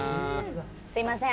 「すみません